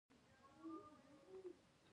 له همدې پلوه د پنځلسمې پېړۍ په پای کې بدلون راغی